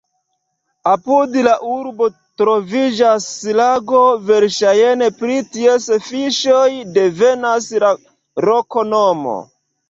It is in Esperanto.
Apud la urbo troviĝas lago, verŝajne pri ties fiŝoj devenas la loknomo.